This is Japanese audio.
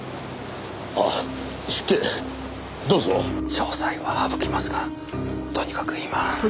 詳細は省きますがとにかく今。